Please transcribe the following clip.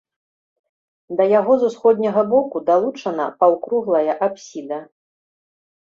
Да яго з усходняга боку далучана паўкруглая апсіда.